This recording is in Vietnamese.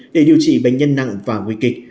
để điều trị bệnh nhân nặng và nguy kịch